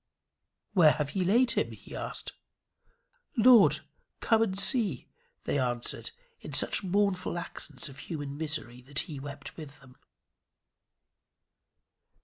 "Where have ye laid him?" he asked. "Lord, come and see," they answered, in such mournful accents of human misery that he wept with them.